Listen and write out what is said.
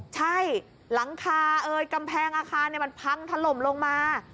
ใช่หลังคาเอ่ยกำแพงอาคารเนี่ยมันพังทะลมลงมา